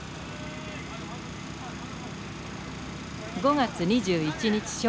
５月２１日正午。